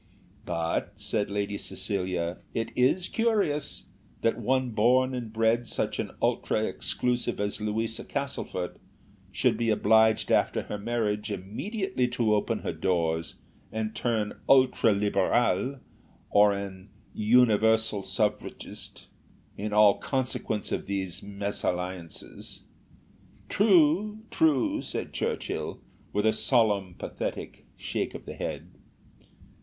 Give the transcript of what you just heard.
"But," said Lady Cecilia, "it is curious, that one born and bred such an ultra exclusive as Louisa Castlefort, should be obliged after her marriage immediately to open her doors and turn ultra liberale, or an universal suffragist all in consequence of these mésalliances." "True, true," said Churchill, with a solemn, pathetic shake of the head.